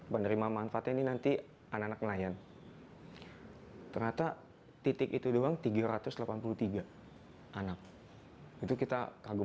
penerima manfaatnya ini nanti anak anak nelayan ternyata titik itu doang tiga ratus delapan puluh tiga anak itu kita kagum